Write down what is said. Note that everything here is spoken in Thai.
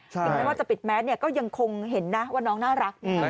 อย่างนั้นว่าจะปิดแมสเนี่ยก็ยังคงเห็นนะว่าน้องน่ารัก